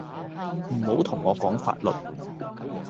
唔好同我講法律